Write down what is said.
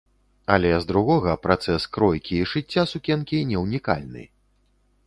Але з другога, працэс кройкі і шыцця сукенкі не ўнікальны.